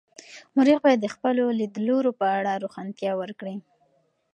مورخ باید د خپلو لیدلورو په اړه روښانتیا ورکړي.